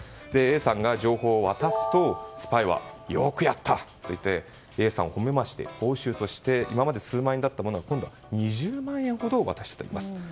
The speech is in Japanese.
Ａさんが情報を渡すとスパイは、よくやったと言ってＡさんを褒めまして、報酬として今まで数万円だったものを今度は２０万円ほど渡したといいます。